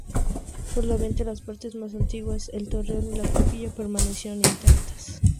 Solamente las partes más antiguas, el torreón y la capilla, permanecieron intactas.